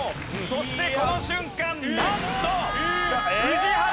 そしてこの瞬間なんと宇治原さん